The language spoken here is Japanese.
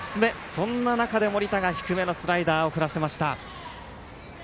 そんな中で盛田が低めのスライダーを振らせました。